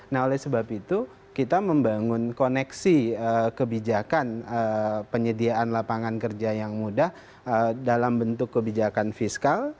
nah oleh sebab itu kita membangun koneksi kebijakan penyediaan lapangan kerja yang mudah dalam bentuk kebijakan fiskal